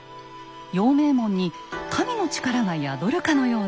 陽明門に神の力が宿るかのようです。